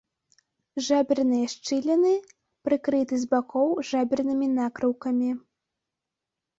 Жаберныя шчыліны прыкрыты з бакоў жабернымі накрыўкамі.